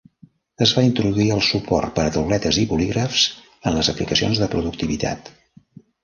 Es va introduir el suport per a tauletes i bolígrafs en les aplicacions de productivitat.